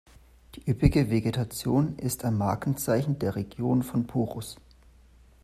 Die üppige Vegetation ist ein Markenzeichen der Region von Porus.